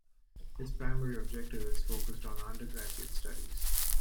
Its primary objective is focused on undergraduate studies.